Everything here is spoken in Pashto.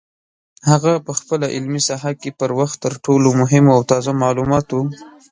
هغه په خپله علمي ساحه کې پر وخت تر ټولو مهمو او تازه معلوماتو